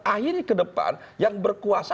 akhiri ke depan yang berkuasa